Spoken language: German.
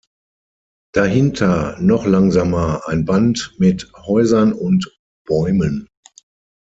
Dahinter, noch langsamer ein Band mit Häusern und Bäumen.